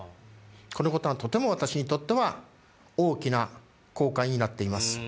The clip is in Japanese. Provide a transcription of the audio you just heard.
このことがとても私にとっては大きな後悔になっています。